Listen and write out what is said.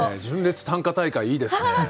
純烈短歌大会いいですね。